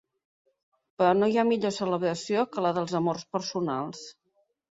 Però no hi ha millor celebració que la dels amors personals.